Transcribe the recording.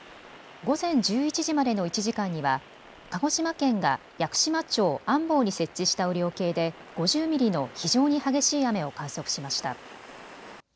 午前１１時までの１時間には鹿児島県が屋久島町安房に設置した雨量計で、５０ミリの非常に激しい雨を観測しました。